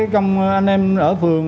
công anh em ở phường